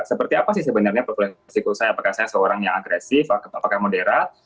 seperti apa sih sebenarnya resiko saya apakah saya seorang yang agresif apakah moderat